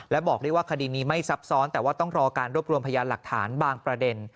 และบอกได้ว่าคดีนี้ไม่ซับซ้อนแต่ว่าต้องรอการรวบรวมพยานหลักฐานบางประเด็น